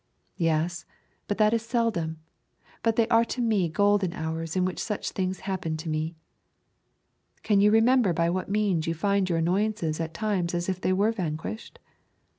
'Yes, but that is but seldom; but they are to me golden hours in which such things happen to me.' 'Can you remember by what means you find your annoyances at times as if they were vanquished?'